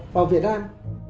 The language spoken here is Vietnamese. vào việt nam